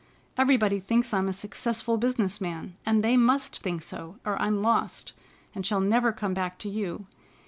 Everybody thinks I'm a successful business man, and they must think so or I'm lost and shall never come back to you.